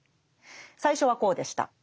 最初はこうでした。